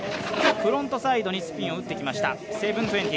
フロントサイドにスピンを打ってきました、７２０。